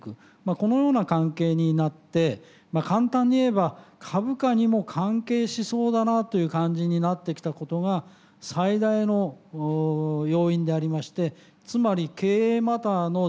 このような関係になって簡単に言えば株価にも関係しそうだなという感じになってきたことが最大の要因でありましてつまり経営マターの重要要素を占めてきた。